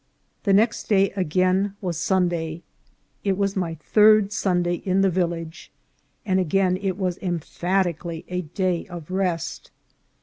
The next day again was Sunday. It was my third Sunday in the village, and again it was emphatically a day of rest.